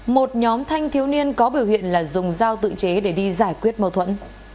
một nhóm thanh thiếu niên có biểu hiện là dùng dao tự chế để đi giải quyết mâu thuẫn